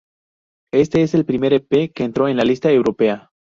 Este es el primer Ep que entró en la lista Europea.